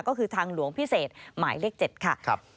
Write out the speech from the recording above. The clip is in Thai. ก็คือทางหลวงพิเศษหมายเลข๗ค่ะ